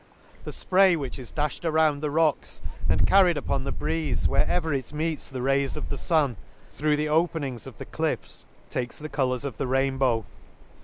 — The fpray which is dafhed around the rocks, and carried upon the breeze, where ever it meets the rays of the fun, through the openings of the cliffs, takes the colours of the rainbow.